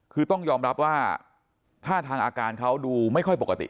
คือต้องยอมรับว่าท่าทางอาการเขาดูไม่ค่อยปกติ